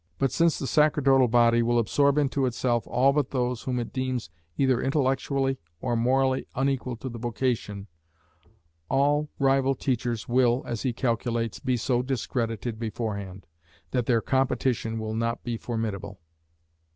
But since the sacerdotal body will absorb into itself all but those whom it deems either intellectually or morally unequal to the vocation, all rival teachers will, as he calculates, be so discredited beforehand, that their competition will not be formidable.